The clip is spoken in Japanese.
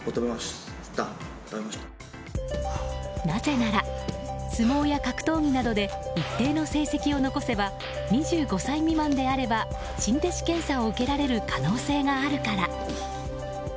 なぜなら相撲や格闘技などで一定の成績を残せば２５歳未満であれば新弟子検査を受けられる可能性があるから。